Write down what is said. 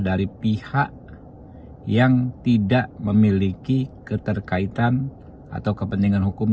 dari pihak yang tidak memiliki keterkaitan atau kepentingan hukum